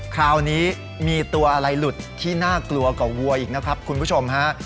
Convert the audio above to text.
คราวนี้มีตัวอะไรหลุดที่น่ากลัวกว่าวัวอีกนะครับคุณผู้ชมฮะ